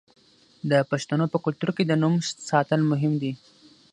د پښتنو په کلتور کې د نوم ساتل مهم دي.